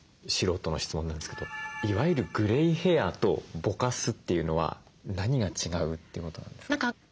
素人の質問なんですけどいわゆるグレイヘアとぼかすっていうのは何が違うってことなんですか？